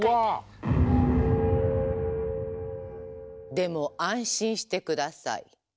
でも安心して下さい。